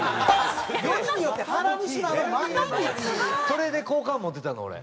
それで好感持てたの俺。